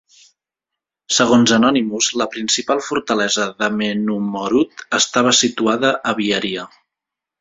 Segons Anonymus la principal fortalesa de Menumorut estava situada a Biharia.